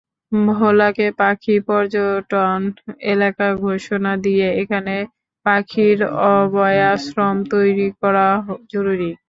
ভোলাকে পাখি-পর্যটন এলাকা ঘোষণা দিয়ে এখানে পাখির অভয়াশ্রম তৈরি করা জরুরি।